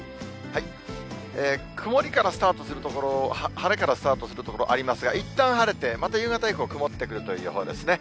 曇りからスタートする所、晴れからスタートする所、ありますが、いったん晴れて、また夕方以降、曇ってくるという予報ですね。